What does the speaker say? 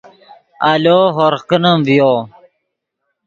آلو ہورغ کینیم ڤیو